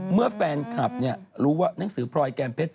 เมื่อแฟนคลับรู้ว่านังสือพรอยแกนเพชร